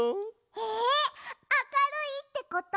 えあかるいってことはでんき？